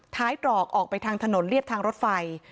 ตรอกออกไปทางถนนเรียบทางรถไฟ